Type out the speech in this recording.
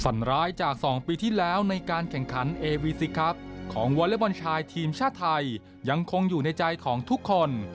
ร้ายจาก๒ปีที่แล้วในการแข่งขันเอวีซิครับของวอเล็กบอลชายทีมชาติไทยยังคงอยู่ในใจของทุกคน